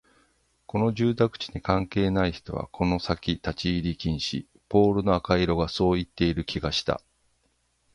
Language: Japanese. この住宅地に関係のない人はこの先立ち入り禁止、ポールの赤色がそう言っている気がした